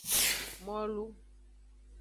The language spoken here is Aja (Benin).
Molu.